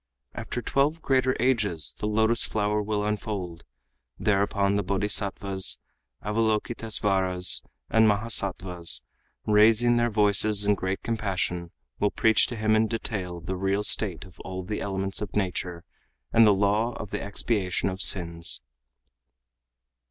After twelve greater ages the lotus flower will unfold; thereupon the Bodhisattvas, Avalôkitësvaras and Mahasattva's, raising their voices in great compassion, will preach to him in detail the real state of all the elements of nature and the law of the expiation of sins."